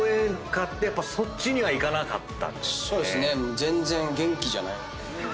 全然元気じゃない。